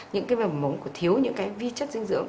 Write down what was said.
những cái mầm mống của thiếu những cái vi chất dinh dưỡng